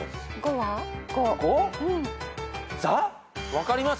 分かります？